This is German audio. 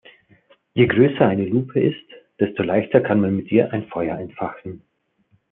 Je größer eine Lupe ist, desto leichter kann man mit ihr ein Feuer entfachen.